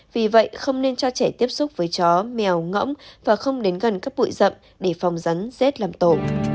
vì vậy không nên cho trẻ tiếp xúc với chó mèo ngỗng và không đến gần các bụi rậm để phòng rắn rét làm tổ